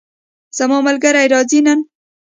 زما ملګری راځي نن